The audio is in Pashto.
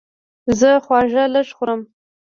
زه خواږه لږ خورم.